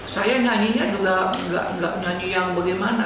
saya nyanyinya juga nggak nyanyi yang bagaimana